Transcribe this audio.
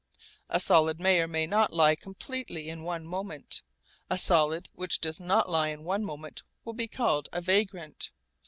A solid may or may not lie completely in one moment. A solid which does not lie in one moment will be called 'vagrant.'